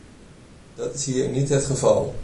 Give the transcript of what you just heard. Dat is hier niet het geval!